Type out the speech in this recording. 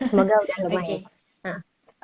semoga udah gak banyak